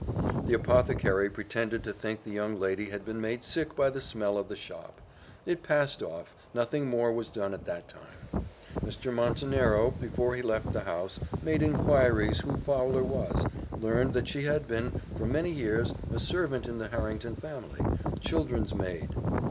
The apothecary pretended to think the young lady had been made sick by the smell of the shop. It passed off nothing more was done at that time. Mr. Montenero, before he left the house, made inquiries who Fowler was learned that she had been, for many years, a servant in the Harrington family, children's maid.